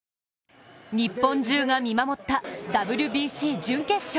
日本中が見守ったＷＢＣ準決勝。